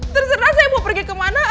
terserah saya mau pergi kemana